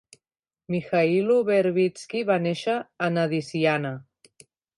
Mykhailo Verbytsky va néixer a Nadsyannya.